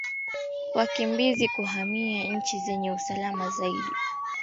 wakimbizi kuhamia nchi zenye usalama zaidi Jumuiya za Wayahudi